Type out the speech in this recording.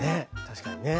確かにね。